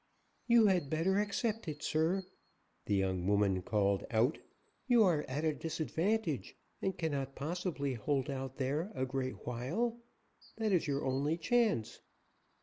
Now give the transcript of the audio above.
"You had better accept it, sir," the young woman called out. "You are at a disadvantage, and cannot possibly hold out there a great while. That is your only chance."